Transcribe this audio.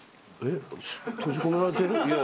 閉じ込められてる？